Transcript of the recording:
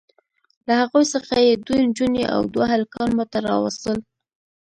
له هغوی څخه یې دوې نجوني او دوه هلکان ماته راواستول.